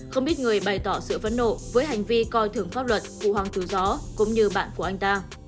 không ít người bày tỏ sự vấn nộ với hành vi coi thường pháp luật của hoàng tử gió cũng như bạn của anh ta